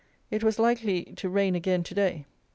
It was likely to rain again to day.